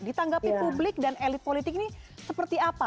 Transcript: ditanggapi publik dan elit politik ini seperti apa